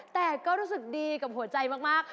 แต่ก็รู้สึกดีกับหัวใจมาก